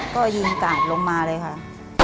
ก็ยิงกาดลงมาเลยค่ะ